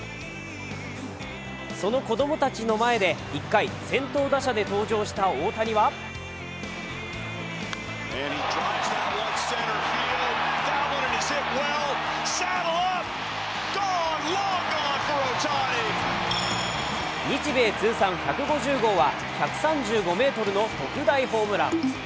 その子供たちの前で１回、先頭打者で登場した大谷は日米通算１５０号は、１３５ｍの特大ホームラン。